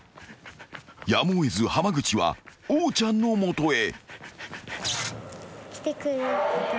［やむを得ず濱口はおーちゃんの元へ］